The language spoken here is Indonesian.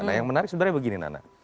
nah yang menarik sebenarnya begini nana